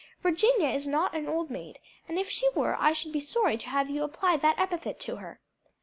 Virginia is not an old maid, and if she were I should be sorry to have you apply that epithet to her."